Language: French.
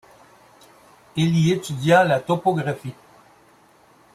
Il y étudia la topographie.